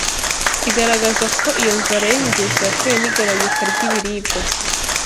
kigaragaza ko iyo nzara yenyegejwe yatewe n’igabanyuka ry’ibiribwa